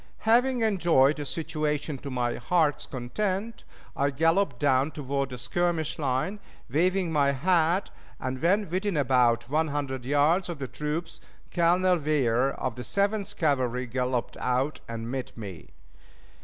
Having enjoyed the situation to my heart's content, I galloped down toward the skirmish line, waving my hat, and when within about one hundred yards of the troops, Colonel Weir, of the Seventh Cavalry, galloped out and met me.